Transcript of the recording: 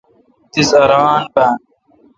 تس اران بھان۔